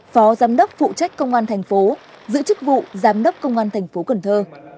phó giám đốc phụ trách công an thành phố giữ chức vụ giám đốc công an thành phố cần thơ